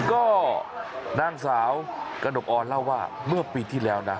ก็นางสาวกระหนกออนเล่าว่าเมื่อปีที่แล้วนะ